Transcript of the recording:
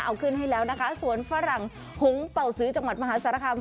เอาขึ้นให้แล้วนะคะสวนฝรั่งหงเป่าซื้อจังหวัดมหาสารคาม